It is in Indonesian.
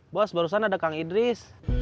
bos barusan ada kang idris